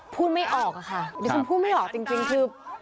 พูดไม่ออกอะค่ะจริงคือผู้พูดไม่ออกจริงคือ